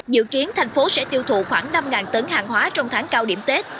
dự kiến thành phố sẽ tiêu thụ khoảng năm tấn hàng hóa trong tháng cao điểm tết